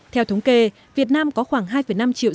theo thống kê việt nam có khoảng hai năm triệu